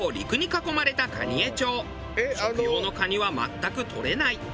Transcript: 食用の蟹は全くとれない。